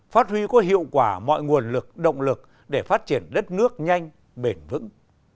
phát huy có hiệu quả mọi nguồn lực động lực để phát triển đất nước nhanh bền vững